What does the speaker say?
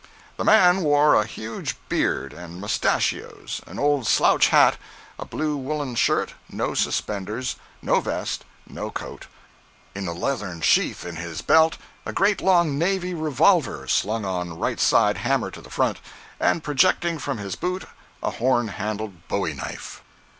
The man wore a huge beard and mustachios, an old slouch hat, a blue woolen shirt, no suspenders, no vest, no coat—in a leathern sheath in his belt, a great long "navy" revolver (slung on right side, hammer to the front), and projecting from his boot a horn handled bowie knife.